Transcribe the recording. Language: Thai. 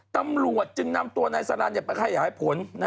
ตำรวจจึงนำตัวนายสรรค์ในประไข่หายผล